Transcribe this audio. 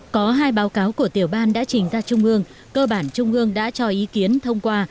có hai báo cáo của tiểu ban đã trình ra trung ương cơ bản trung ương đã cho ý kiến thông qua